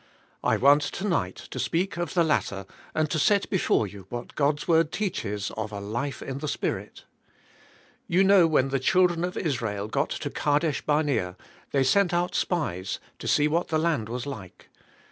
I want, tonig ht, to speak of the latter and to set be fore you what God's Word teaches of a life in the Spirit. You know when the Children of Israel got to Kadesh Barnea they sent out spies to see what the land was like.